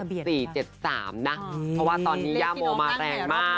เพราะว่าตอนนี้ย่าโมมาแรงมาก